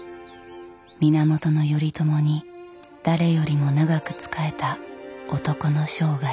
源頼朝に誰よりも長く仕えた男の生涯。